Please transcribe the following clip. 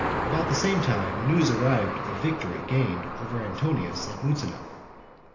About the same time news arrived of a victory gained over Antonius at Mutina.